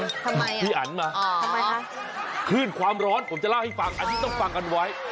ทำไมอ่ะอ๋อทำไมคะพี่อันขึ้นความร้อนผมจะเล่าให้ฟังอันนี้ต้องฟังกันไว้